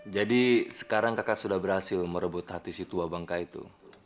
jadi sekarang kakak sudah berhasil merebut hati si tua bangka itu